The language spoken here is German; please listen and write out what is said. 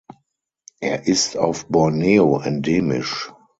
Er ist auf Borneo endemisch.